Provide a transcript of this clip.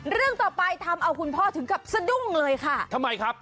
เรื่องต่อไปทำเอาคุณพ่อถึงกับสะดุ้งเลยค่ะทำไมครับ